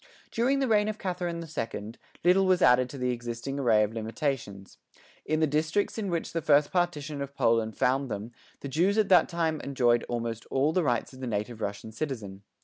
During the reign of Catherine the Second, little was added to the existing array of limitations. In the districts in which the first Partition of Poland found them, the Jews at that time enjoyed almost all the rights of the native Russian citizen.